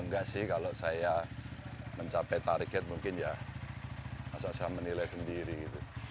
enggak sih kalau saya mencapai target mungkin ya asal saya menilai sendiri gitu